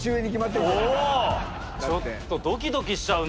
おぉちょっとドキドキしちゃうな。